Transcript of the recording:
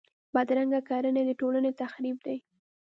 بدرنګه کړنې د ټولنې تخریب دي